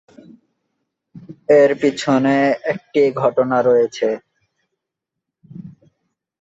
এর পিছনে একটি ঘটনা রয়েছে।